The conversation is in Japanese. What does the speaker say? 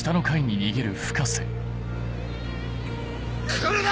来るな！